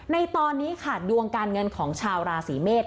ในตอนนี้ค่ะดวงการเงินของชาวราศีเมษ